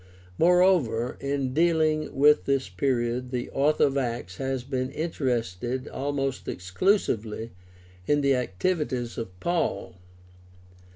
Moreover, in dealing with this period the author of Acts has been interested almost exclusively in the activities of Paul.